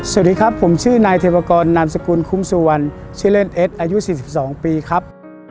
สวัสดีครับผมชื่อนายเทวกรนามสกุลคุ้มสุวรรณชื่อเล่นเอ็ดอายุ๔๒ปีครับ